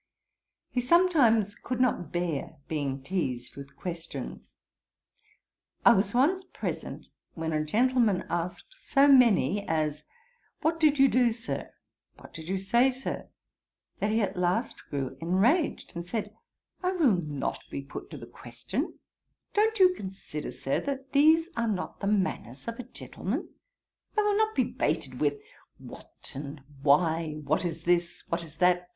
He sometimes could not bear being teazed with questions. I was once present when a gentleman asked so many as, 'What did you do, Sir?' 'What did you say, Sir?' that he at last grew enraged, and said, 'I will not be put to the question. Don't you consider, Sir, that these are not the manners of a gentleman? I will not be baited with what, and why; what is this? what is that?